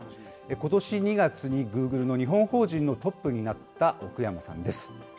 ことし２月にグーグルの日本法人のトップになった奥山さんです。